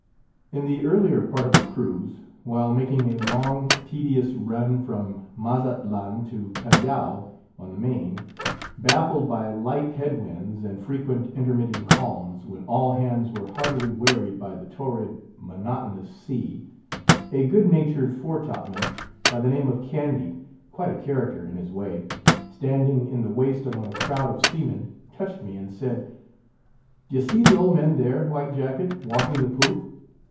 In the earlier part of the cruise, while making a long, tedious run from Mazatlan to Callao on the Main, baffled by light head winds and frequent intermitting calms, when all hands were heartily wearied by the torrid, monotonous sea, a good natured fore top man, by the name of Candy—quite a character in his way—standing in the waist among a crowd of seamen, touched me, and said, "D'ye see the old man there, White Jacket, walking the poop?